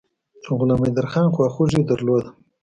غلام حیدرخان خواخوږي درلوده.